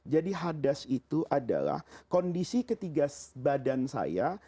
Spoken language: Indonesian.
jadi hadas itu adalah kondisi ketiga badan saya